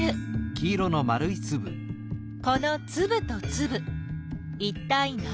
このつぶとつぶいったい何？